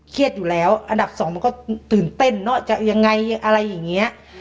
เครียดอยู่แล้วอันดับ๒มันก็ตื่นเต้นจะอย่างไรอะไรอย่างนี้